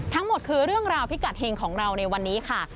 ทั้งหมดคือเรื่องราวพิกัดเฮงของเราในวันนี้ค่ะ